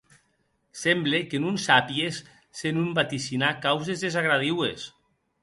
Semble que non sàpies senon vaticinar causes desagradiues.